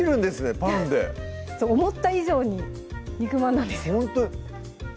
パンでそう思った以上に肉まんなんですよ